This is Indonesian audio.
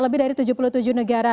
lebih dari tujuh puluh tujuh negara